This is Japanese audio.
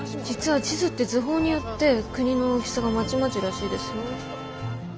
実は地図って図法によって国の大きさがまちまちらしいですよ。